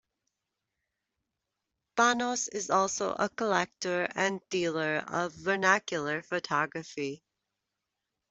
Bannos is also a collector and dealer of vernacular photography.